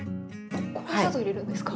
氷砂糖入れるんですか？